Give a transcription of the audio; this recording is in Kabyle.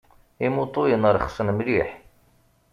Imuṭuyen rexsen mliḥ.